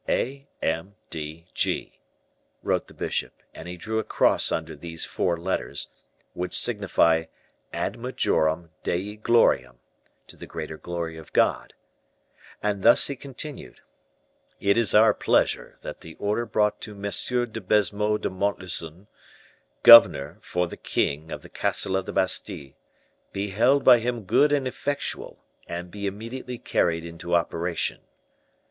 "A. M. D. G.," wrote the bishop; and he drew a cross under these four letters, which signify ad majorem Dei gloriam, "to the greater glory of God;" and thus he continued: "It is our pleasure that the order brought to M. de Baisemeaux de Montlezun, governor, for the king, of the castle of the Bastile, be held by him good and effectual, and be immediately carried into operation."